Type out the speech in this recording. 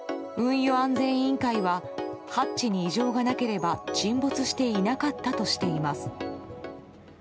運輸安全委員会はハッチに異常がなければ沈没していなかったとしています。